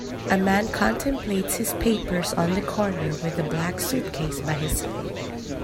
A man contemplates his papers on the corner with a black suitcase by his side.